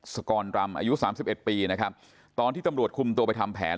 สกรรำอายุสามสิบเอ็ดปีนะครับตอนที่ตำรวจคุมตัวไปทำแผน